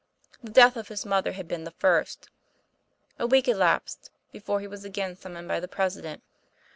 The death of his mother had been the first. A week elapsed before he was again summoned by the President.